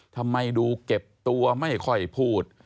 ทำไมดูเก็บตัวไม่ค่อยพูด